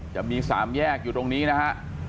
จะมี๓แยกอยู่ตรงนี้นะฮะ